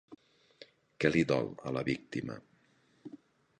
Què li dol a la víctima?